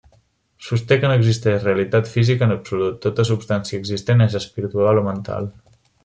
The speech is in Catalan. Sosté que no existeix realitat física en absolut, tota substància existent és espiritual o mental.